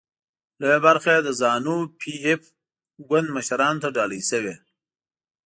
لویه برخه یې د زانو پي ایف ګوند مشرانو ته ډالۍ شوې.